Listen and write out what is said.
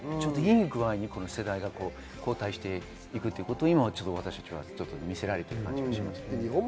いい具合に世代交代していくということを今、見せられている感じがします。